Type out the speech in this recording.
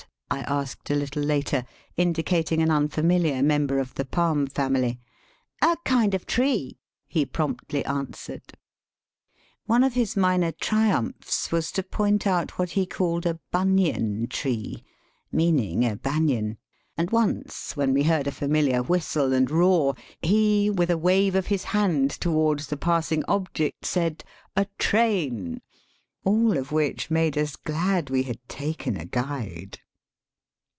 I asked a little later, indicating an unfamiliar member of the palm family. " A kind of tree," he promptly answered. One of his minor triumphs was to point out what he called " a bunyan tree," meaning a banyan ; and once, when we heard a familiar whistle and roar, he, with a wave of his hand towards the passing object, said, "A train" — all of which made us glad we had taken a guide.